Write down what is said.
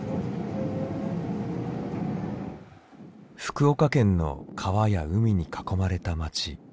福岡県の川や海に囲まれた町。